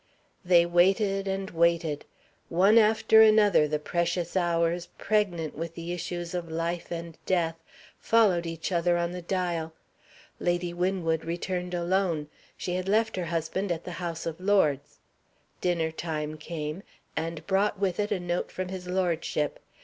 They waited and waited. One after another the precious hours, pregnant with the issues of life and death, followed each other on the dial. Lady Winwood returned alone. She had left her husband at the House of Lords. Dinner time came, and brought with it a note from his lordship.